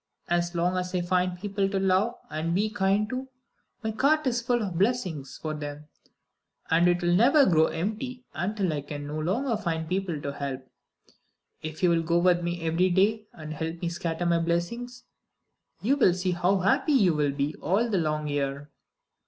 As long as I find people to love and be kind to, my cart is full of blessings for them; and it will never grow empty until I can no longer find people to help. If you will go with me every day and help me scatter my blessings, you will see how happy you will be all the long year."